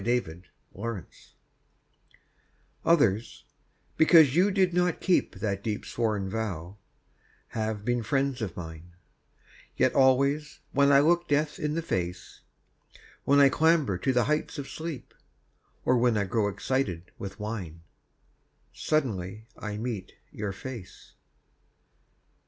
A DEEP SWORN VOW Others because you did not keep That deep sworn vow have been friends of mine; Yet always when I look death in the face, When I clamber to the heights of sleep, Or when I grow excited with wine, Suddenly I meet your face.